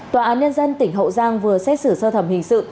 tòa án nhân dân tỉnh hậu giang vừa xét xử sơ thẩm hình sự